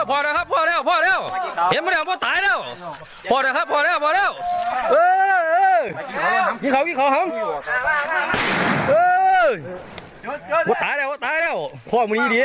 โอ้โฮ